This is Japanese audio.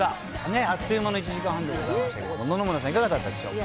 あっという間の１時間半でございましたけれども、野々村さん、いかがだったでしょうか。